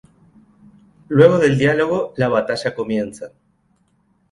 Luego del diálogo, la batalla comienza.